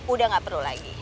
udah gak perlu lagi